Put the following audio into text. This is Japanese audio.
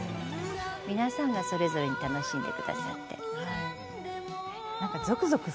皆さんが、それぞれ楽しんでくださって。